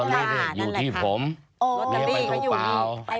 โรตอรี่เนี่ยอยู่ที่ผมมีอะไรตัวเปล่า